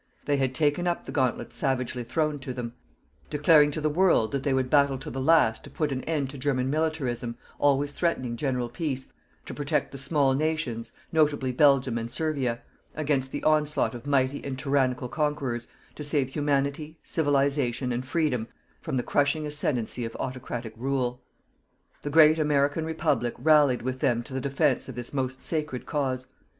They had taken up the gauntlet savagely thrown to them, declaring to the world that they would battle to the last to put an end to German militarism, always threatening general peace, to protect the small nations, notably Belgium and Servia, against the onslaught of mighty and tyrannical conquerors, to save Humanity, Civilization and Freedom from the crushing ascendency of autocratic rule. The great American Republic rallied with them to the defence of this most sacred cause.